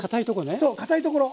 そうかたいところ。